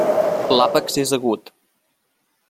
L'àpex és agut.